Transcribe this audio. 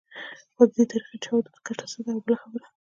خو د دې تریخې چاودو ګټه څه ده؟ او بله خبره.